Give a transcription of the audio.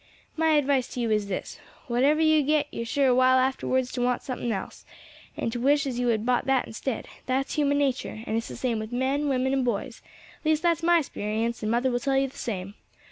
My advice to you is this, whatever you get yer sure a while afterwards to want something else, and to wish as you had bought that instead; that's human nature, and it's the same with men, women, and boys at least that's my 'sperience, and mother will tell you the same.